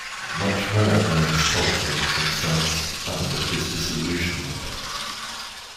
Much more Ernest told them of themselves and of his disillusionment.